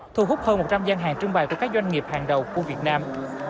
thu hút hơn một trăm linh gian hàng trưng bày của các doanh nghiệp hàng đầu của việt nam